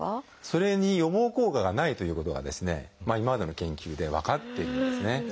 それに予防効果がないということが今までの研究で分かっているんですね。